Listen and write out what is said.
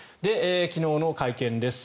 昨日の会見です。